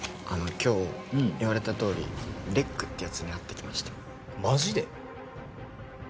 あの今日言われたとおりＲＥＣってヤツに会ってきましたマジで？